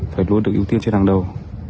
phải luôn được ưu tiên trên hàng đầu